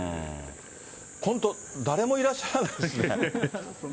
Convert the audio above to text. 本当、誰もいらっしゃらないですね。